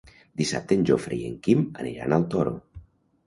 Dissabte en Jofre i en Quim aniran al Toro.